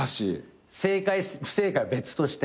正解不正解は別として。